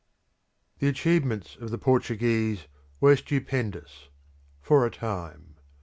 The achievements of the Portuguese were stupendous for a time.